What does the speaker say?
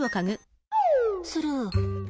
スルー。